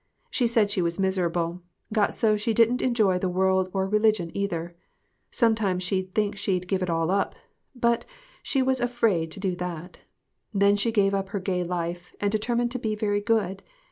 She said she was miserable; got so she didn't enjoy the world or religion, either. Sometimes she'd think she'd give it all up, but she was afraid to do that. Then she gave up her gay life, and determined to be very good.